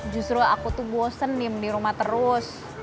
justru aku tuh bosen nih di rumah terus